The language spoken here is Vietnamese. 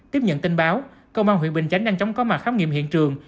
tiếp nhận tin báo công an huyện bình chánh đang chóng có mặt khám nghiệm hiện trường